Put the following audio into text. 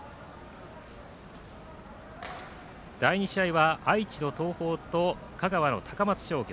第２試合は愛知の東邦と香川の高松商業。